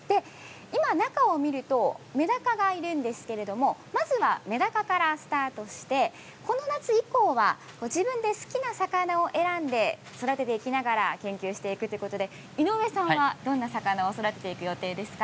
今、中を見るとメダカがいるんですけれどもまずはメダカからスタートしてこの夏以降は自分で好きな魚を選んで育てていきながら研究していくということで井上さんはどんな魚を育てていく予定ですか。